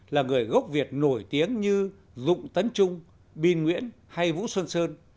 là người gốc việt nổi tiếng như dũng tấn trung binh nguyễn hay vũ xuân sơn